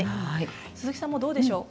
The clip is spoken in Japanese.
鈴木さんもどうでしょう？